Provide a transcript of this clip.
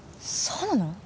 そうなの！？